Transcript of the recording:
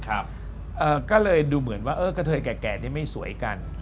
ก็เลยดูเหมือนว่าเออกระเทยแก่นี่ไม่สวยกัน